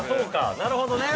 なるほどね。